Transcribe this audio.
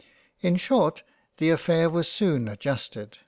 In short the Affair was soon adjusted.